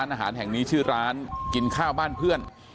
อาหารแห่งนี้ชื่อร้านกินข้าวบ้านเพื่อน